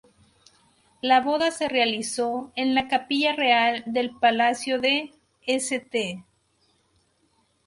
La boda se realizó en la capilla real del Palacio de St.